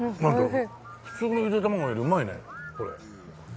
普通のゆで卵よりうまいねこれ。